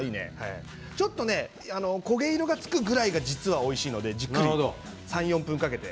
ちょっと焦げ色がつくぐらいが実はおいしいのでじっくり３、４分かけて。